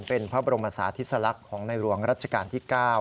เป็นพระบรมศาธิสลักษณ์ของในหลวงรัชกาลที่๙